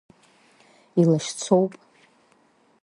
Илашьцоуп.